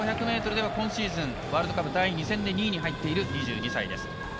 １５００ｍでは今シーズンワールドカップ第２戦で２位に入っている２２歳です。